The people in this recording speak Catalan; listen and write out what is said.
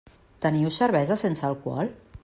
Teniu cervesa sense alcohol?